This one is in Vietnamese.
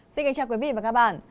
xin kính chào quý vị và các bạn